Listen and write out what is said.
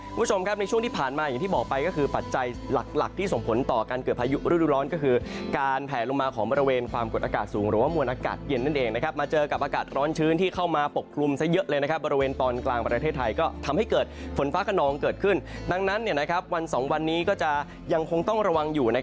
คุณผู้ชมครับในช่วงที่ผ่านมาอย่างที่บอกไปก็คือปัจจัยหลักที่ส่งผลต่อการเกิดภายุรุร้อนก็คือการแผลลงมาของบริเวณความกดอากาศสูงหรือว่ามวลอากาศเย็นนั่นเองนะครับมาเจอกับอากาศร้อนชื้นที่เข้ามาปกครุมซะเยอะเลยนะครับบริเวณตอนกลางประเทศไทยก็ทำให้เกิดฝนฟ้ากระนองเกิดขึ้นดังนั้น